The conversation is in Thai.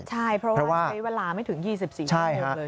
ใช่เพราะว่าใช้เวลาไม่ถึง๒๔นาทีเดียวเลยใช่ไหม